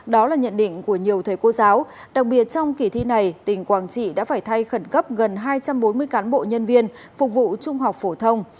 đó là nhận định của nhiều thầy cô giáo đặc biệt trong kỳ thi này tỉnh quảng trị đã phải thay khẩn cấp gần hai trăm bốn mươi cán bộ nhân viên phục vụ trung học phổ thông